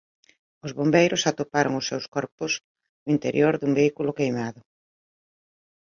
Os bombeiros atoparon os seus corpos no interior dun vehículo queimado.